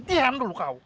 tihang dulu kau